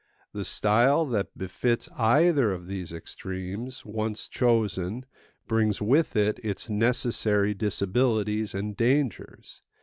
The style that befits either of these extremes, once chosen, brings with it its necessary disabilities and dangers.